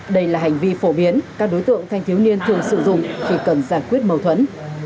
đây là hành vi phổ biến các đối tượng thanh thiếu niên thường sử dụng khi cần giải quyết mâu thuẫn